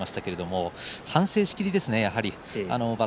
反省しきりでした。